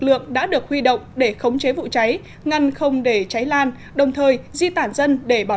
lượng đã được huy động để khống chế vụ cháy ngăn không để cháy lan đồng thời di tản dân để bảo